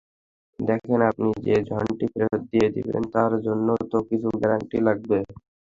দেখেন আপনি যে ঋণটি ফেরত দিয়ে দিবেন তার জন্য তো কিছু গ্যারান্টি লাগবে।